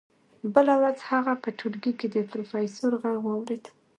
بله ورځ هغه په ټولګي کې د پروفیسور غږ واورېد